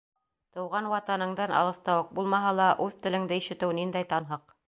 Тыуған Ватаныңдан алыҫта уҡ булмаһа ла, үҙ телеңде ишетеү ниндәй танһыҡ!